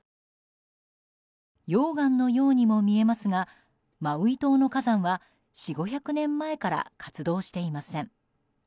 溶岩のようにも見えますがマウイ島の火山は４００５００年前から活動していません。